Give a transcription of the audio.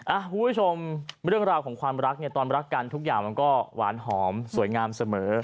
คุณผู้ชมเรื่องราวของความรักเนี่ยตอนรักกันทุกอย่างมันก็หวานหอมสวยงามเสมอ